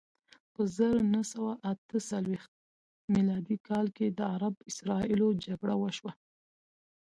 په زر نه سوه اته څلویښت میلادي کال کې د عرب اسراییلو جګړه وشوه.